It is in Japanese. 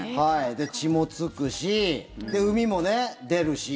血もつくしうみも出るし。